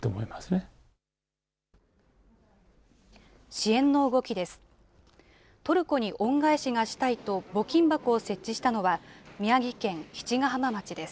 支援の動きです。